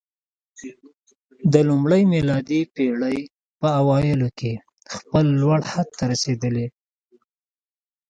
د لومړۍ میلادي پېړۍ په اوایلو کې خپل لوړ حد ته رسېدلی